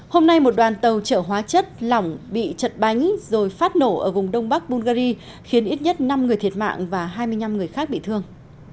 hôm nay một đoàn tàu chở hóa chất lỏng bị chật bánh rồi phát nổ ở vùng đông bắc bungary khiến ít nhất năm người thiệt mạng và hai mươi năm người khác bị thương